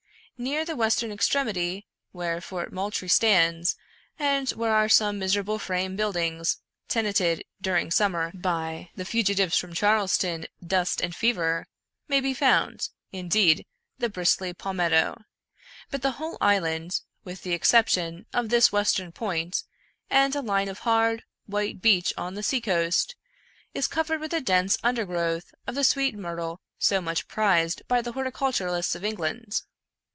Near the western extremity, where Fort Moultrie stands, and where are some miserable frame buildings, tenanted, during summer, by the fugitives from Charleston dust and fever, may be found, indeed, the bristly palmetto ; but the whole island, with the exception of this western point, and a line of hard, white beach on the seacoast, is covered with a dense undergrowth of the sweet myrtle so much prized by the horticulturists of Eng land.